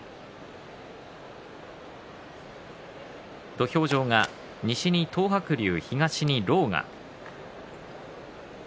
土俵上が西に東白龍、東に狼雅。